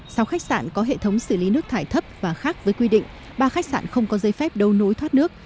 sau khách sạn có hệ thống xử lý nước thải thấp và khác với quy định ba khách sạn không có giấy phép đấu nối thoát nước